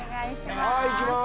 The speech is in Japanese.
はい行きます。